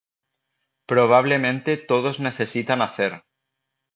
probablemente todos necesitan hacer.